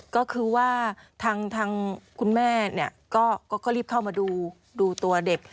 ก็คือว่าทางคุณแม่เนี่ยก็รีบเข้ามาดูตัวเด็ก